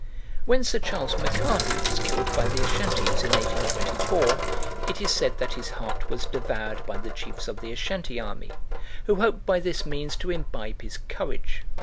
When Sir Charles M'Carthy was killed by the Ashantees in 1824, it is said that his heart was devoured by the chiefs of the Ashantee army, who hoped by this means to imbibe his courage.